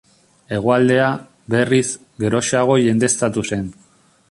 Hegoaldea, berriz, geroxeago jendeztatu zen.